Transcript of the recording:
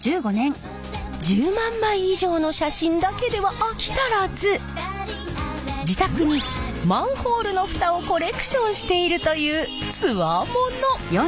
１０万枚以上の写真だけでは飽き足らず自宅にマンホールの蓋をコレクションしているというツワモノ！